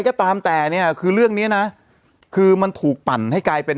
ก็ตามแต่เนี่ยคือเรื่องเนี้ยนะคือมันถูกปั่นให้กลายเป็น